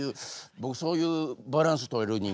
僕そういうバランス取れる人間なんで。